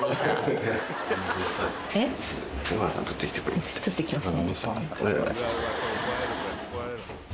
撮ってきますね。